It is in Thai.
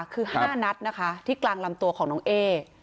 คือ๕นัตรต์ที่กลางลำโตของน้องเอ